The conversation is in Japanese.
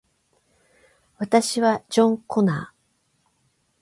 私はジョン・コナー